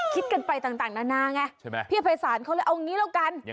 คิดกันไปต่างนานาไงพี่ภัยศาลเขาเลยเอางี้แล้วกัน